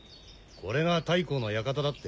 これが大公の館だって？